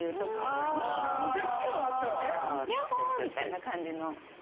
みたいな感じの。